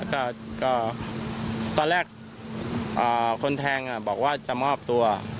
ก็ตอนแรกคนแทงบอกว่าจะมอบตัว